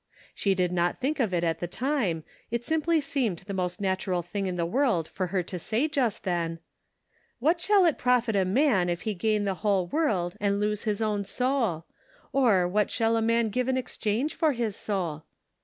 She did not think of it at the time, it simply seemed the most natural thing in the world for her to say just then : '"What shall it profit a man if he gain 226 The Pocket Measure. the whole world and lose his own soul ? Or, what shall a man give in exchange for his soul?"